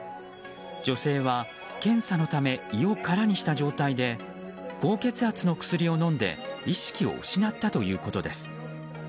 女性は検査のため胃を空にした状態で高血圧の薬を飲んで意識を失ったということです。